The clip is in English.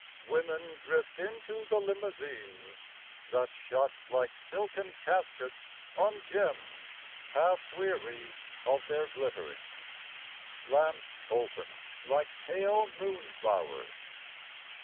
Women drift into the limousines That shut like silken caskets On gems half weary of their glittering... Lamps open like pale moon flowers...